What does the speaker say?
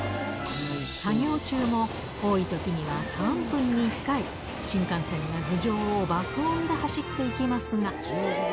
作業中も、多いときには３分に１回、新幹線が頭上を爆音で走っていきますが。